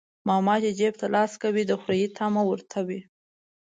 ماما چى جيب ته لاس کوى د خورى طعمه ورته وى.